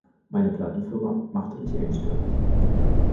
Meine Plattenfirma machte mich engstirnig.